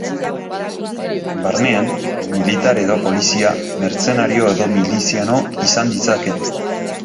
Barnean, militar edo polizia, mertzenario edo miliziano izan ditzakete.